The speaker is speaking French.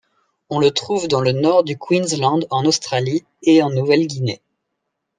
On le trouve dans le nord du Queensland en Australie et en Nouvelle-Guinée.